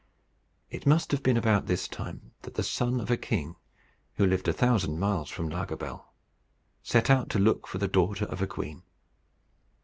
It must have been about this time that the son of a king, who lived a thousand miles from Lagobel, set out to look for the daughter of a queen.